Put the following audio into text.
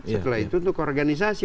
setelah itu untuk organisasi